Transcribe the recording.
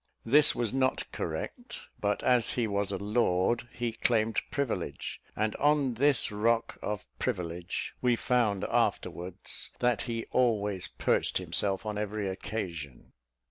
This was not correct, but as he was a lord, he claimed privilege, and on this rock of privilege we found afterwards that he always perched himself on every occasion.